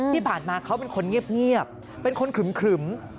ที่ผ่านมาเขาเป็นคนเงียบเป็นคนขึม